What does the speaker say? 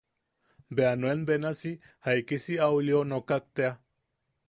Bea nuen benasi jaikisi au lionokak tea.